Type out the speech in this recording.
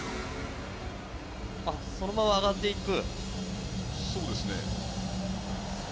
そのまま上がっていく。